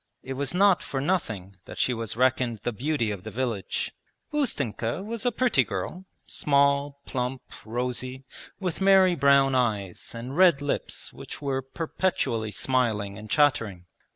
It was not for nothing that she was reckoned the beauty of the village. Ustenka was a pretty girl, small, plump, rosy, with merry brown eyes, and red lips which were perpetually smiling and chattering.